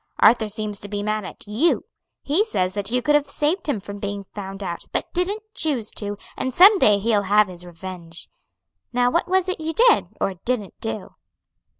Arthur seems to be mad at you; he says that you could have saved him from being found out, but didn't choose to, and some day he'll have his revenge. Now, what was it you did, or didn't do?"